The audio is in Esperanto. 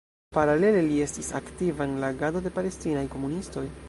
Paralele li estis aktiva en la agado de palestinaj komunistoj.